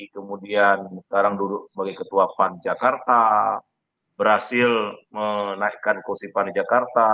kemudian sekarang duduk sebagai ketua pan jakarta berhasil menaikkan kosipa di jakarta